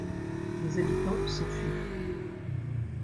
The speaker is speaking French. Les habitants s'enfuient.